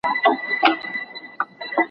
له اړوندو ځایونو لیدنه خورا اړینه ده.